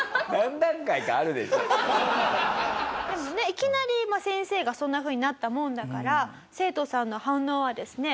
いきなり先生がそんなふうになったものだから生徒さんの反応はですね